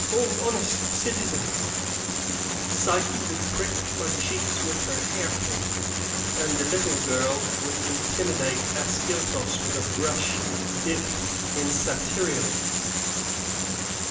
all honest citizens," Psyche would prick my cheeks with her hairpin, and the little girl would intimidate Ascyltos with a brush dipped in satyrion.